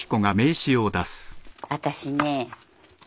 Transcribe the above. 私ね